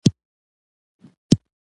د مخکې سر ورڅخه ورک شو.